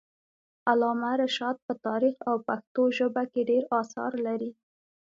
علامه رشاد په تاریخ او پښتو ژبه کي ډير اثار لري.